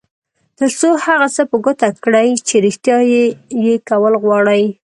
تر څو هغه څه په ګوته کړئ چې رېښتيا یې کول غواړئ.